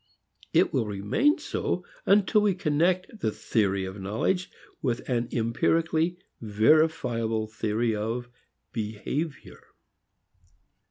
It will remain so until we connect the theory of knowledge with an empirically verifiable theory of behavior.